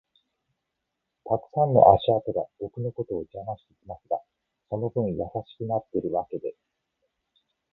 たくさんの足跡が僕のことを邪魔してきますが、その分優しくなってるわけで